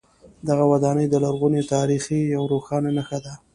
دغه ودانۍ د لرغوني تاریخ یوه روښانه نښه ده.